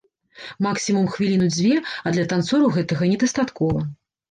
Максімум хвіліну-дзве, а для танцораў гэтага недастаткова.